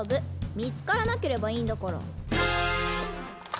見つからなければいいんだから。